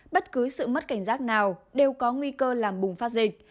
bất cứ sự mất cảnh giác nào đều có nguy cơ làm bùng phát dịch